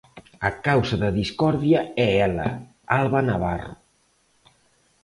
A causa da discordia é ela, Alba Navarro.